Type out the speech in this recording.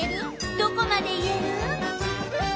どこまで言える？